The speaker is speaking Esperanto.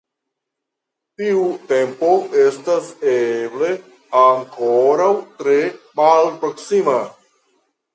Tiu tempo estas eble ankoraŭ tre malproksima.